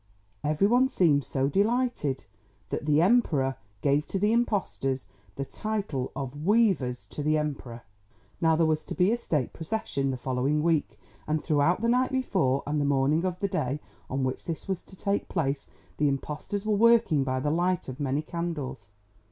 Everyone seemed so delighted that the Emperor gave to the impostors the title of Weavers to the Emperor. Now there was to be a State procession the following week and throughout the night before and the morning of the day on which this was to take place the impostors were working by the light of many candles.